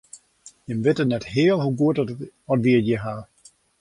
Jimme witte net heal hoe goed oft wy it hjir hawwe.